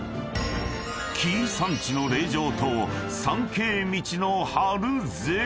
［紀伊山地の霊場と参詣道の春絶景］